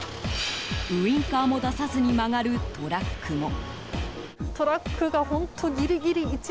ウィンカーも出さずに曲がるトラックも。